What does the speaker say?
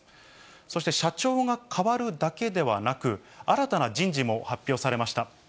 そして、社長が代わるだけではなく、新たな人事も発表されました。